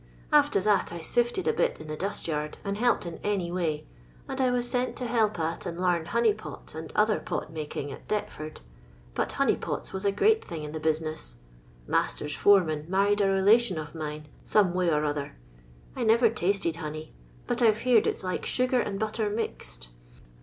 After that I sifted a bit in a dust yard, and helped in any way; and I was sent to help at and lam honey pot and other pot making, at Deptford ; bat honey pots was a great thing in the business. Master's fore man married a relation of mine, some wny or other. I never tasted honey, but I 've heered it's like sugar and butter mixed.